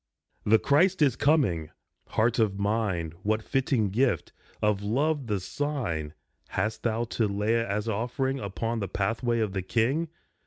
The Christ is coming ! Heart of mine, What fitting gift, of love the sign, Hast thou to lay as offering Upon the pathway of the King?